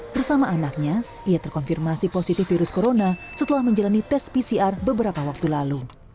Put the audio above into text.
bersama anaknya ia terkonfirmasi positif virus corona setelah menjalani tes pcr beberapa waktu lalu